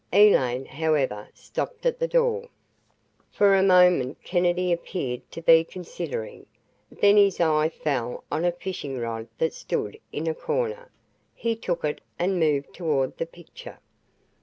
Elaine, however, stopped at the door. For a moment Kennedy appeared to be considering. Then his eye fell on a fishing rod that stood in a corner. He took it and moved toward the picture.